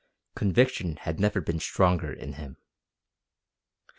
Conviction had never been stronger in him.